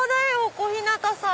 小日向さん